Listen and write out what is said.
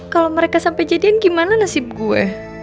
kalau mereka sampai jadian gimana nasib gue